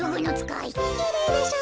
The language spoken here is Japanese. きれいでしょ。